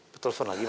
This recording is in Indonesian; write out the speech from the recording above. betul sur lagi mah